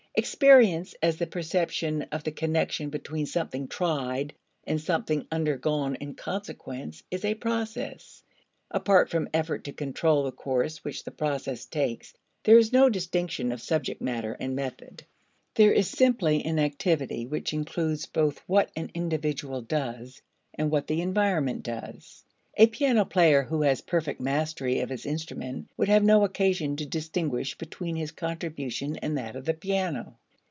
Experience as the perception of the connection between something tried and something undergone in consequence is a process. Apart from effort to control the course which the process takes, there is no distinction of subject matter and method. There is simply an activity which includes both what an individual does and what the environment does. A piano player who had perfect mastery of his instrument would have no occasion to distinguish between his contribution and that of the piano.